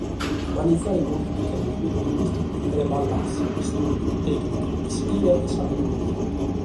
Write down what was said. A manigiare polìtica e movimentu linguìsticu bi cheret ballassa, istùdiu, tècnica, ischire e sabidoria.